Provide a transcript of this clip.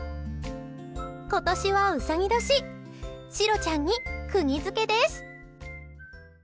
今年はうさぎ年しろちゃんにクギヅケです！